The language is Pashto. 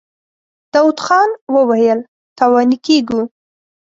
داوود خان وويل: تاواني کېږو.